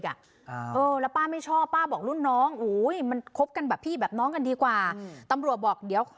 แต่มันเจาะจงจะเอาวันนี้ด้วยเนี่ย